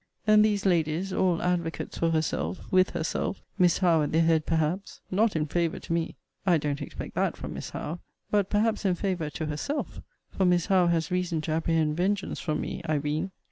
Then these ladies, all advocates for herself, with herself, Miss Howe at their head, perhaps, not in favour to me I don't expect that from Miss Howe but perhaps in favour to herself: for Miss Howe has reason to apprehend vengeance from me, I ween.